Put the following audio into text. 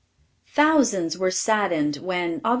] Thousands were saddened when, Aug.